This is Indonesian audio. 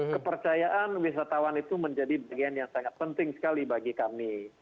kepercayaan wisatawan itu menjadi bagian yang sangat penting sekali bagi kami